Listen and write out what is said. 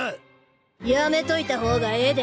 やめといたほうがええで。